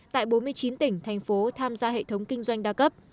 tại bốn mươi chín tỉnh thành phố tham gia hệ thống kinh doanh đa cấp